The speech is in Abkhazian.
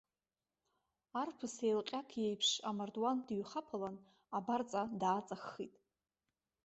Арԥыс еилҟьак иеиԥш амардуан дыҩхаԥалан, абарҵа дааҵаххит.